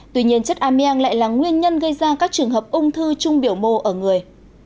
tuy nhiên chất ameang lại là nguyên nhân gây ra các trường hợp ung thư trung biểu mô ở người